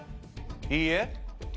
いいえ。